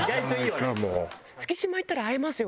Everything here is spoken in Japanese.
月島行ったら会えますよ